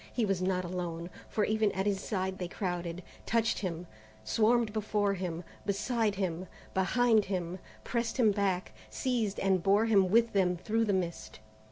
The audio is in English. He was not alone, for even at his side they crowded, touched him, swarmed before him, beside him, behind him, pressed him back, seized, and bore him with them through the mist.